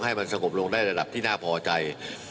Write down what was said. ให้มันสงบลงได้ระดับที่น่าพอใจ